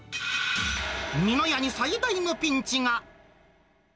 みの家に最大のピンチが。